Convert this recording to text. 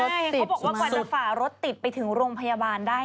ใช่เขาบอกว่ากว่าจะฝ่ารถติดไปถึงโรงพยาบาลได้